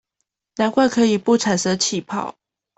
難怪可以不產生氣泡